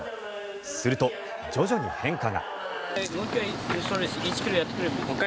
すると徐々に変化が。